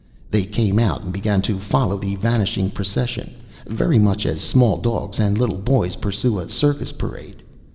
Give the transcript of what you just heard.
They came out and began to follow the vanishing procession, very much as small dogs and little boys pursue a circus parade.